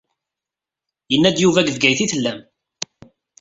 Yenna-d Yuba deg Bgayet i tellam.